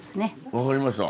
分かりました。